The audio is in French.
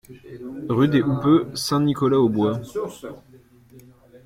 Rue des Houppeux, Saint-Nicolas-aux-Bois